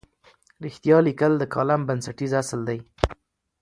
رښتیا لیکل د کالم بنسټیز اصل دی.